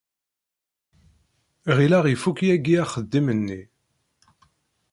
Ɣileɣ ifuk yagi axeddim-nni.